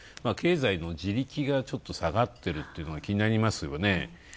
経済の地力が、ちょっと下がってるっていうのが気になりますね。